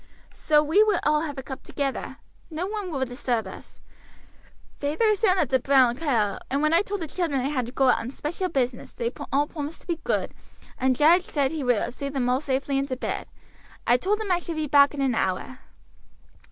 So we will all have a cup together. No one will disturb us. Feyther is down at the 'Brown Cow,' and when I told the children I had to go out on special business they all promised to be good, and Jarge said he would see them all safely into bed. I told him I should be back in an hour."